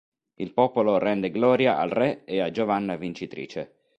Il popolo rende gloria al re e a Giovanna vincitrice.